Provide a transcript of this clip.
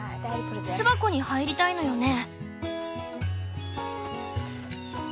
巣箱に入りたいのよね？